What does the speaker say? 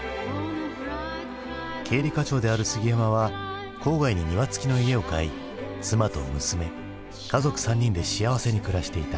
経理課長である杉山は郊外に庭付きの家を買い妻と娘家族３人で幸せに暮らしていた。